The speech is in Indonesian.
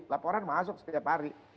laporan masuk setiap hari